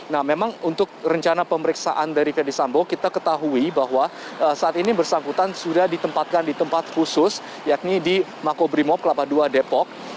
nah memang untuk rencana pemeriksaan dari ferdisambo kita ketahui bahwa saat ini bersangkutan sudah ditempatkan di tempat khusus yakni di makobrimob kelapa dua depok